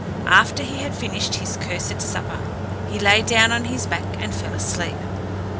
After he had finished his cursed supper, he lay down on his back, and fell asleep.